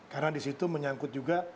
karena disitu menyangkut juga